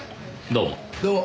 どうも。